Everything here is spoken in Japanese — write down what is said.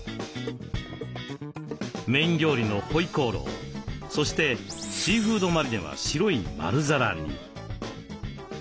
メイン料理のホイコーローそしてシーフードマリネは白い丸皿に。